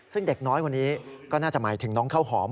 ซึ่งเด็กน้อยคนนี้ก็น่าจะหมายถึงน้องข้าวหอม